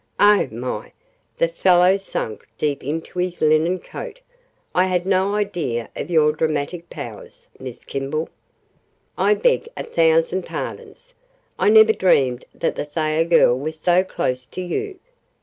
"Oh, my!" The fellow sank deeper into his linen coat. "I had no idea of your dramatic powers, Miss Kimball. I beg a thousand pardons. I never dreamed that the Thayer girl was so close to you.